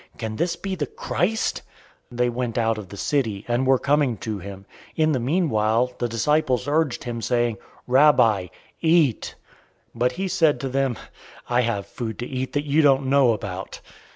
Can this be the Christ?" 004:030 They went out of the city, and were coming to him. 004:031 In the meanwhile, the disciples urged him, saying, "Rabbi, eat." 004:032 But he said to them, "I have food to eat that you don't know about."